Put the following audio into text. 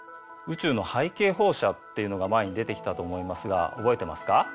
宇宙の背景放射っていうのが前に出てきたと思いますが覚えてますか？